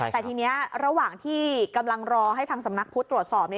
แต่ทีนี้ระหว่างที่กำลังรอให้ทางสำนักพุทธตรวจสอบ